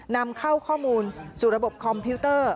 นำเข้าข้อมูลสู่ระบบคอมพิวเตอร์